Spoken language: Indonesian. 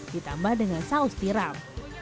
ditambah dengan saus tiram